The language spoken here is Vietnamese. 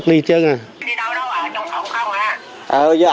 đi đâu đâu ở trong phòng không ạ